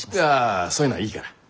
あそういうのはいいから。